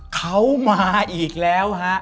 เขามาอีกแล้วฮะ